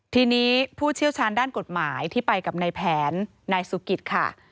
ทีนี้ผู้เชี่ยวชาญด้านกฎหมายที่ไปกับนายแผนนายสุกิตค่ะ